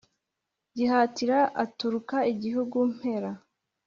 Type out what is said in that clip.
gihatira aturuka igihugu impera,